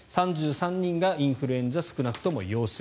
３３人がインフルエンザ少なくとも陽性。